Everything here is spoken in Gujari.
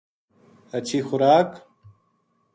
ہچھی خوراک